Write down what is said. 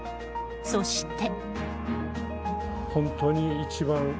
そして。